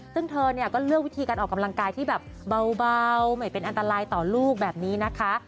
ซึ่งเธอเนี่ยก็เลือกวิธีการออกกำลังกายที่แบบเบาไม่เป็นอันตรายต่อลูกแบบนี้นะคะ